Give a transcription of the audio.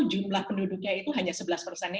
jumlah penduduknya itu hanya sebelas persennya